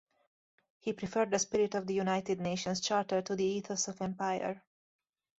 He preferred the spirit of the United Nations Charter to the ethos of empire.